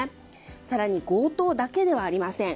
更に、強盗だけではありません。